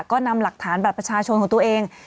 ก็นำหลักฐานบัตรประชาชนของตัวเอง